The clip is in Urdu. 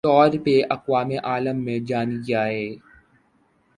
طور پہ اقوام عالم میں جانی جائیں